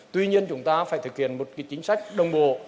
tuy nhiên chúng ta phải thực hiện một chính sách đồng bộ